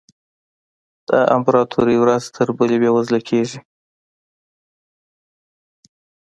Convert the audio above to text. د امپراتوري ورځ تر بلې بېوزله کېږي.